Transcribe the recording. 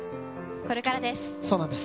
これからです。